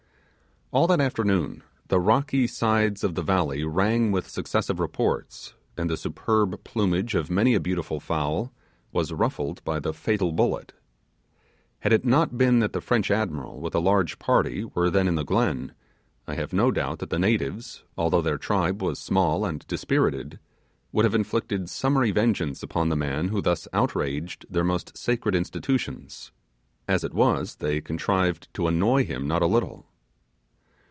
All that afternoon the rocky sides of the valley rang with successive reports, and the superb plumage of many a beautiful fowl was ruffled by the fatal bullet. Had it not been that the French admiral, with a large party, was then in the glen, I have no doubt that the natives, although their tribe was small and dispirited, would have inflicted summary vengeance upon the man who thus outraged their most sacred institutions; as it was, they contrived to annoy him not a little.